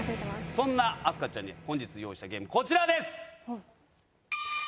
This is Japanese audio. そんな明日香ちゃんに本日用意したゲームこちらです。